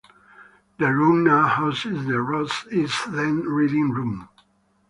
The room now houses the Ross S. Dent Reading Room.